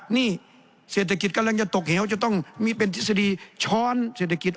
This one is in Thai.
นี่เศรษฐกิจกำลังจะตกเหวจะต้องมีเป็นทฤษฎีช้อนเศรษฐกิจ